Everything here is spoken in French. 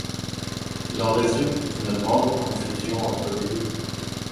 Il en résulte une grande confusion entre les deux.